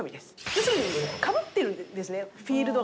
要するにかぶってるんですねフィールドが。